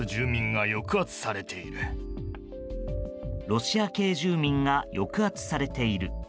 ロシア系住民が抑圧されている。